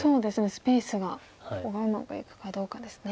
スペースがここがうまくいくかどうかですね。